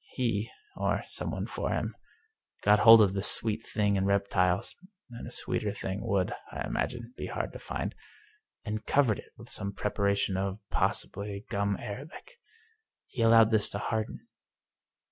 He, or some one for him, got hold of this sweet thing in reptiles — and a sweeter thing would, I imagine, be hard to find — ^and covered it with some preparation of, possibly, gum arabic. He allowed this to harden.